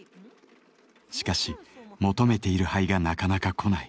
しかし求めている牌がなかなかこない。